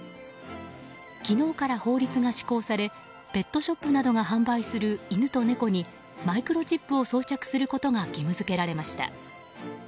昨日から法律が施行されペットショップなどが販売する犬と猫にマイクロチップを装着することが義務付けられました。